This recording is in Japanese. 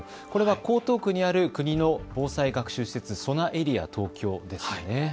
これは江東区にある国の防災学習施設、そなエリア東京ですよね。